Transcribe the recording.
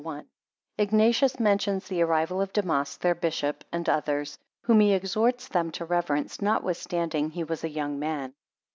4 Ignatius mentions the arrival of Damas, their bishop, and others, 6 whom he exhorts them to reverence notwithstanding he was a young man.